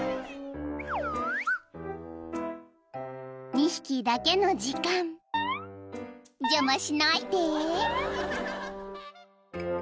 ［２匹だけの時間邪魔しないで］